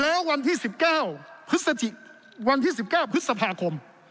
แล้ววันที่๑๙พฤษภาคม